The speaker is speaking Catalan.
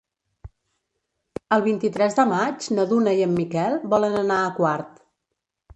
El vint-i-tres de maig na Duna i en Miquel volen anar a Quart.